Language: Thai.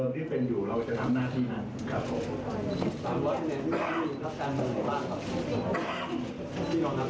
นก็นด๓๐๐ที่เป็นรัฐบาลได้ละครับ